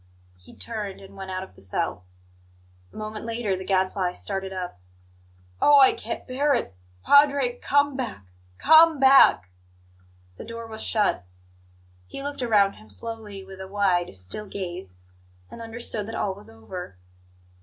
He turned, and went out of the cell. A moment later the Gadfly started up. "Oh, I can't bear it! Padre, come back! Come back!" The door was shut. He looked around him slowly, with a wide, still gaze, and understood that all was over.